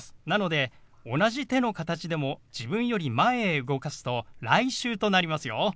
なので同じ手の形でも自分より前へ動かすと「来週」となりますよ。